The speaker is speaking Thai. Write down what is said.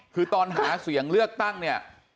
คือตอนหาเสียงเลือกตั้งเนี่ย